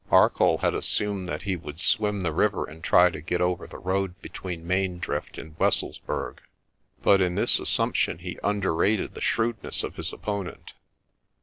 Arcoll had assumed that he would swim the river and try to get over the road between Main Drift and Wesselsburg. But in this assump tion he underrated the shrewdness of his opponent.